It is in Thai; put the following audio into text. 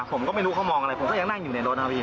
ผมก็ไม่รู้เขามองอะไรผมก็ยังนั่งอยู่ในรถนะพี่